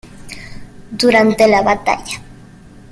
Durante la batalla.